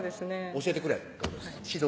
教えてくれ指導